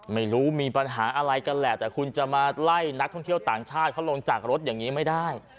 ไม่รู้มีปัญหาอะไรกันแหละแต่คุณจะมาไล่นักท่องเที่ยวต่างชาติเขาลงจากรถอย่างนี้ไม่ได้